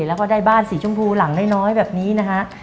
แล้วก็ได้บ้านสีชมพูหลังน้อยแบบนี้นะฮะ